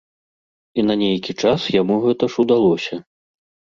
І на нейкі час яму гэта ж удалося.